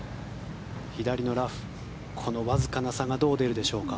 左のラフ、このわずかな差がどう出るでしょうか。